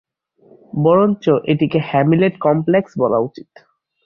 বরঞ্চ এটিকে 'Hamlet complex' বলা উচিত।